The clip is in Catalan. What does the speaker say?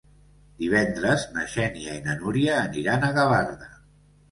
Divendres na Xènia i na Núria aniran a Gavarda.